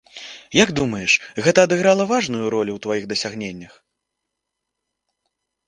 Як думаеш, гэта адыграла важную ролю ў тваіх дасягненнях?